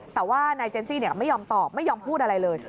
แต่ว่านายเจนซี่ไม่ยอมตอบไม่ยอมพูดอะไรเลย